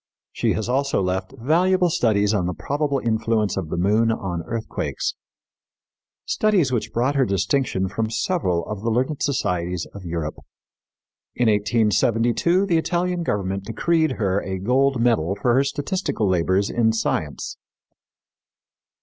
She has also left valuable studies on the probable influence of the moon on earthquakes studies which brought her distinction from several of the learned societies of Europe. In 1872 the Italian government decreed her a gold medal for her statistical labors in science.